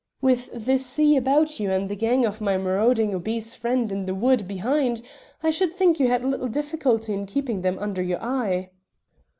"With the sea about you so, and the gang of my marauding obese friend in the wood behind, I should think you had little difficulty in keeping them under your eye."